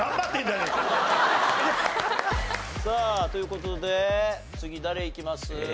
さあという事で次誰いきます？